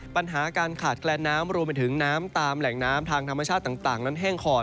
ปัญหาการขาดแกล้นน้ำรวมไปถึงน้ำตามแหล่งน้ำทางธรรมชาติต่าง